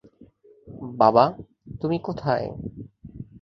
বাবা, তুমি কোথায়?